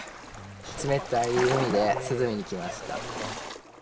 冷たい海で涼みに来ました。